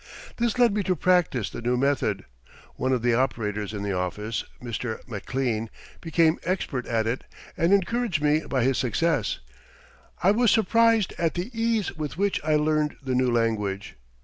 This led me to practice the new method. One of the operators in the office, Mr. Maclean, became expert at it, and encouraged me by his success. I was surprised at the ease with which I learned the new language.